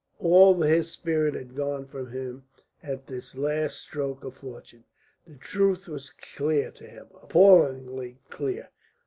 All his spirit had gone from him at this last stroke of fortune. The truth was clear to him, appallingly clear.